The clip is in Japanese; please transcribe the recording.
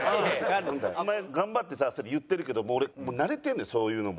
頑張ってさそれ言ってるけど俺慣れてんねんそういうのも。